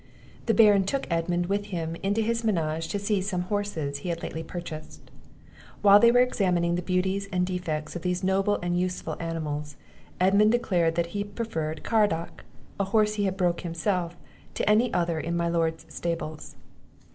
The Baron took Edmund with him into his menage to see some horses he had lately purchased; while they were examining the beauties and defects of these noble and useful animals, Edmund declared that he preferred Caradoc, a horse he had broke himself, to any other in my lord's stables.